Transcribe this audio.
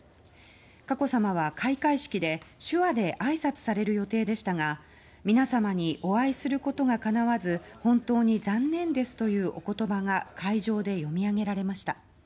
佳子さまは開会式で手話で挨拶される予定でしたが皆様にお会いすることが叶わず本当に残念ですというお言葉が会場で読み上げられました。